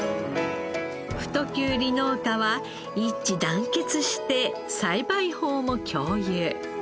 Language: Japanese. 太きゅうり農家は一致団結して栽培法も共有。